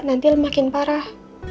nanti makin parah